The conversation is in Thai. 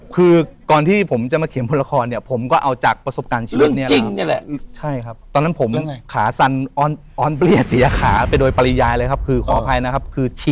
คือขออภัยนะครับคือชีแตกตรงนั้นเลยครับ